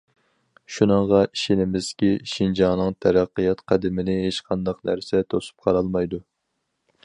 شۇنىڭغا ئىشىنىمىزكى، شىنجاڭنىڭ تەرەققىيات قەدىمىنى ھېچ قانداق نەرسە توسۇپ قالالمايدۇ.